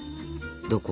どこ？